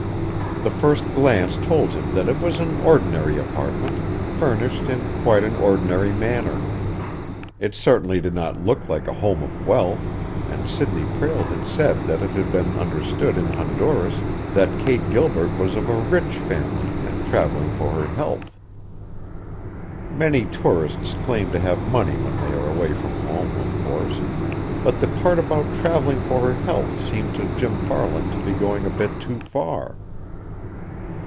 The first glance told him that it was an ordinary apartment furnished in quite an ordinary manner. It certainly did not look like a home of wealth, and Sidney Prale had said that it had been understood in Honduras that Kate Gilbert was of a rich family and traveling for her health. Many tourists claim to have money when they are away from home, of course, but the part about traveling for her health seemed to Jim Farland to be going a bit too far.